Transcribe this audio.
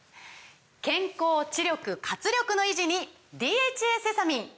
健康・知力・活力の維持に「ＤＨＡセサミン」！